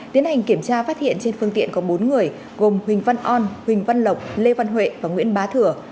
tiến hành kiểm tra phát hiện trên phương tiện có bốn người gồm huỳnh văn on huỳnh văn lộc lê văn huệ và nguyễn bá thừa